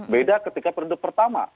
beda ketika peredup pertama